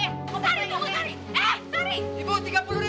sari tunggu sari eh sari